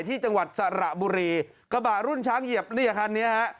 จังหวัดสระบุรีกระบะรุ่นช้างเหยียบเนี่ยคันนี้ฮะ